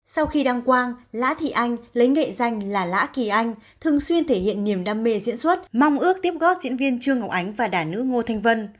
sau khi đăng quang lã thị anh lấy nghệ danh là lã kỳ anh thường xuyên thể hiện niềm đam mê diễn xuất mong ước tiếp gót diễn viên trương ngọc ánh và đà nữ ngô thanh vân